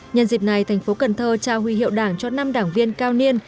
nhân dịp này thành phố cần thơ trao huy hiệu đảng cho năm đảng viên cao niên